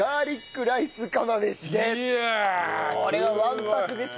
これはわんぱくですよ。